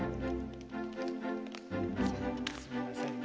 すみませんね